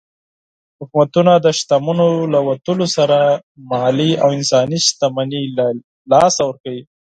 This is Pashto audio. حکومتونه د شتمنو له وتلو سره مالي او انساني شتمني له لاسه ورکوي.